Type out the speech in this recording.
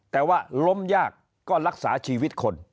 แต่ว่าล้มยากก็รักษาชีวิตคน